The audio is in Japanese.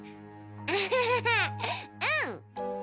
アハハーうん！